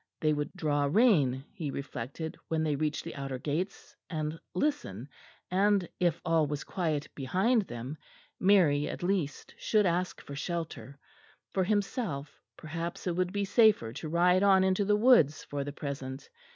They would draw rein, he reflected, when they reached the outer gates, and listen; and if all was quiet behind them, Mary at least should ask for shelter. For himself, perhaps it would be safer to ride on into the woods for the present.